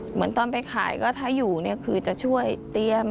เหมือนตอนไปขายก็ถ้าอยู่เนี่ยคือจะช่วยเตรียม